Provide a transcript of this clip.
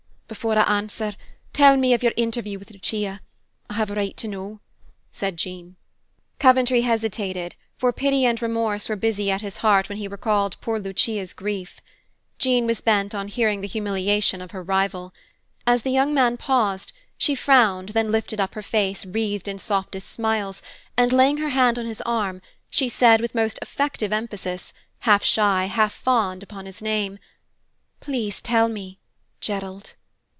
"Before I answer, tell me of your interview with Lucia. I have a right to know," said Jean. Coventry hesitated, for pity and remorse were busy at his heart when he recalled poor Lucia's grief. Jean was bent on hearing the humiliation of her rival. As the young man paused, she frowned, then lifted up her face wreathed in softest smiles, and laying her hand on his arm, she said, with most effective emphasis, half shy, half fond, upon his name, "Please tell me, Gerald!"